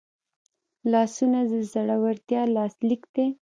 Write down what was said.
لاسونه د زړورتیا لاسلیک دی